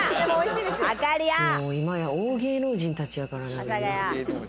もう今や大芸能人たちやからな。